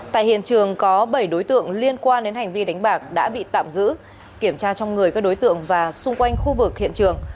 tại hiện trường có bảy đối tượng liên quan đến hành vi đánh bạc đã bị tạm giữ kiểm tra trong người các đối tượng và xung quanh khu vực hiện trường